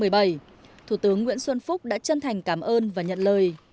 thủ tướng nguyễn xuân phúc đã chân thành cảm ơn và nhận lời